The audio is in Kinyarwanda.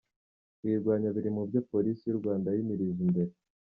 Kuyirwanya biri mu byo Polisi y’u Rwanda yimirije imbere.